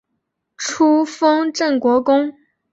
初封镇国公。